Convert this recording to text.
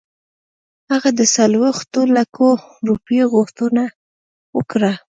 هغه د څلوېښتو لکو روپیو غوښتنه وکړه.